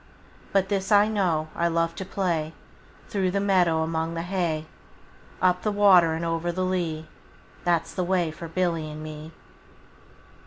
20 But this I know, I love to play Through the meadow, among the hay; Up the water and over the lea, That 's the way for Billy and me.